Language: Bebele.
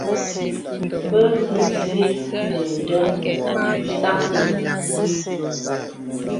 Bə kūsì mìndɔ̄ɔ̄ sâknì.